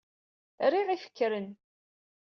Riɣ ifekren.